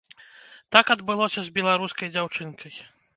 Так адбылося з беларускай дзяўчынкай.